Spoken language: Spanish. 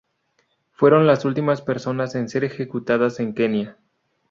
Fueron las últimas personas en ser ejecutadas en Kenia.